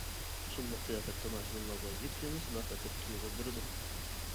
ئۇسسۇللۇق قىياپەت تاماشىبىنلارغا يېپيېڭى، سالاپەتلىك تۇيغۇ بېرىدۇ.